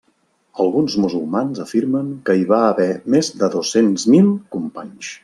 Alguns musulmans afirmen que hi va haver més de dos-cents mil companys.